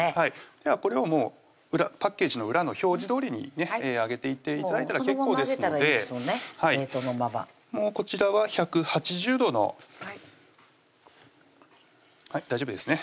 ではこれをもうパッケージの裏の表示どおりに揚げていって頂いたら結構ですのでもうこちらは１８０度のはい大丈夫ですね